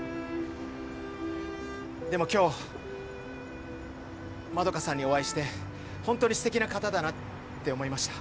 でも今日まどかさんにお会いして本当に素敵な方だなって思いました。